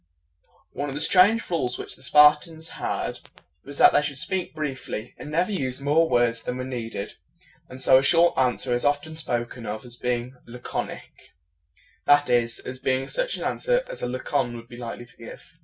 One of the strange rules which the Spartans had, was that they should speak briefly, and never use more words than were needed. And so a short answer is often spoken of as being la con ic; that is, as being such an answer as a Lacon would be likely to give.